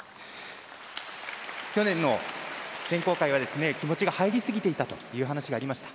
去年の選考会は気持ちが入りすぎていたという話がありました。